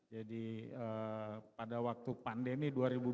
jadi pada waktu pandemi dua ribu dua puluh